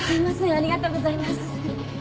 ありがとうございます。